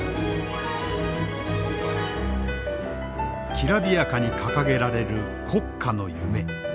きらびやかに掲げられる国家の夢。